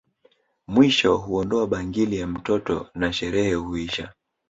Mwisho huondoa bangili ya mtoto na sherehe huisha